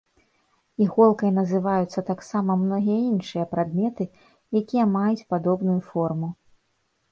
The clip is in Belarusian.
Іголкай называюцца таксама многія іншыя прадметы, якія маюць падобную форму.